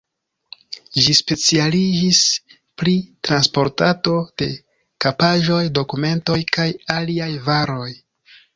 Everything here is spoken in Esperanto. Ĝi specialiĝis pri transportado de pakaĵoj, dokumentoj kaj aliaj varoj.